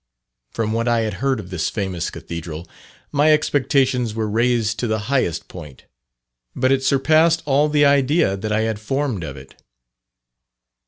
From what I had heard of this famous Cathedral, my expectations were raised to the highest point; but it surpassed all the idea that I had formed of it.